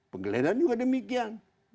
penggeledahan juga demikian